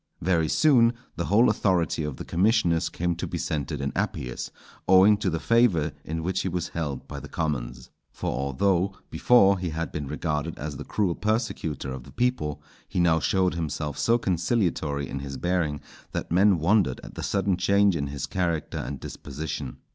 Very soon the whole authority of the commissioners came to be centred in Appius, owing to the favour in which he was held by the commons. For although before he had been regarded as the cruel persecutor of the people, he now showed himself so conciliatory in his bearing that men wondered at the sudden change in his character and disposition.